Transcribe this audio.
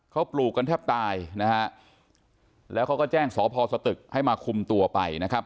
เขาปลูกกันแทบตายนะฮะแล้วเขาก็แจ้งสพสตึกให้มาคุมตัวไปนะครับ